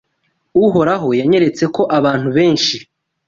Uhoraho yanyeretse ko abantu benshi